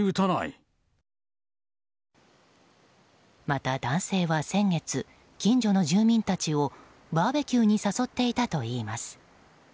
また、男性は先月近所の住民たちをバーベキューに誘っていたといいます。